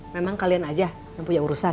memang kalian aja yang punya urusan